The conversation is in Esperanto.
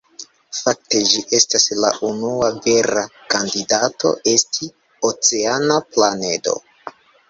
Fakte ĝi estas la unua vera kandidato esti oceana planedo.